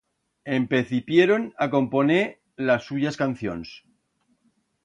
Empecipieron a componer las suyas cancions.